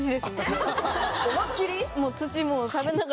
思いっきり？